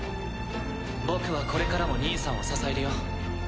僕はこれからも兄さんを支えるよ。